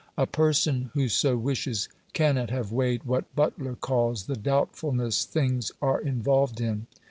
A person who so wishes cannot have weighed what Butler calls the "doubtfulness things are involved in".